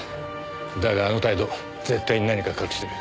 だがあの態度絶対に何か隠してる。